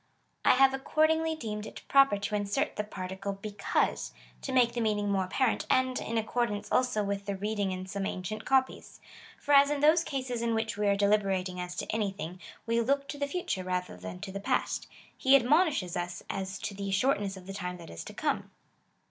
I have accordingly deemed it proper to insert the particle because, to make the meaning more apparent, and in accordance also with the reading in some ancient copies. For as in those cases in which we are deliberating as to anything, we look to the future rather than to the past, he admonishes us as to the shortness of the time that is to come.